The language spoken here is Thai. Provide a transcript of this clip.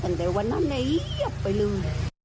ตั้งแต่วันนั้นไปเรือง